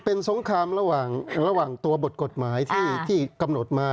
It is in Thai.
เป็นสงครามระหว่างตัวบทกฎหมายที่กำหนดมา